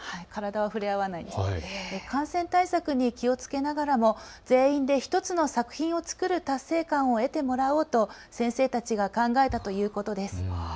感染対策に気をつけながらも全員で１つの作品を作る達成感を得てもらおうと先生たちが考えたということです。